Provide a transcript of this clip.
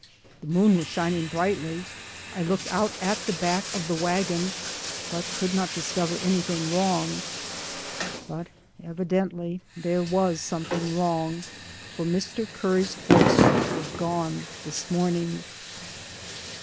The moon was shining brightly. I looked out at the back of the wagon, but could not discover anything wrong, but evidently there was something wrong, for Mr. Curry's horse was gone this morning.